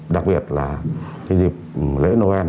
đặc biệt là dịp lễ noel